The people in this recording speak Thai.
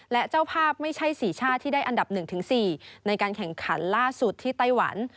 และเจ้าภาพไม่ใช่๔ชาติที่ได้อันดับ๑๔ในการแข่งขันล่าสุดที่ไต้หวัน